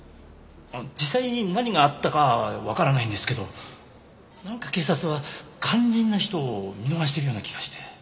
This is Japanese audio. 実際何があったかはわからないんですけどなんか警察は肝心な人を見逃してるような気がして。